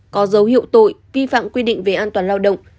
có dấu hiệu tội vi phạm quy định về an toàn lao động